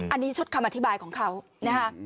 อันนี้ชุดคำอธิบายของเขานะคะ